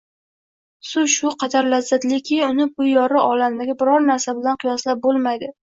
Suv shu qadar lazzatliki, uni bu yorug‘ olamdagi biror narsa bilan qiyoslab bo‘lmaydi